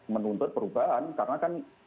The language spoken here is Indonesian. menuntut perubahan karena kan